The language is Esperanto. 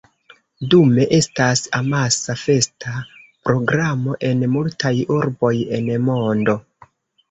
Dume estas amasa festa programo en multaj urboj en mondo.